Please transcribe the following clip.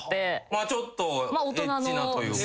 まあちょっとエッチなというか。